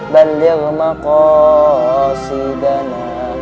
bandir mako sidana